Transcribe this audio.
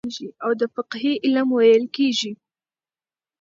او د فقهي علم ويل کېږي.